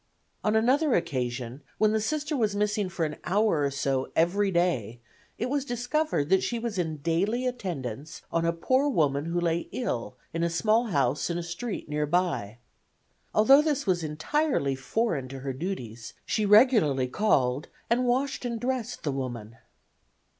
On another occasion when the Sister was missing for an hour or so every day it was discovered that she was in daily attendance on a poor woman who lay ill in a small house in a street near by. Although this was entirely foreign to her duties she regularly called and washed and dressed the woman.